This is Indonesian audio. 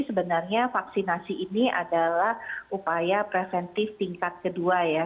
sebenarnya vaksinasi ini adalah upaya preventif tingkat kedua ya